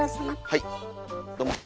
はいどうも。